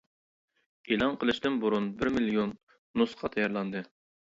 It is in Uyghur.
ئېلان قىلىشتىن بۇرۇن بىر مىليون نۇسخا تەييارلاندى.